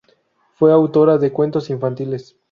Fue autora de cuentos infantiles.